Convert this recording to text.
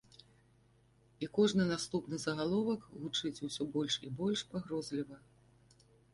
І кожны наступны загаловак гучыць усё больш і больш пагрозліва.